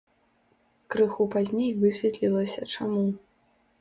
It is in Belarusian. Крыху пазней высветлілася, чаму.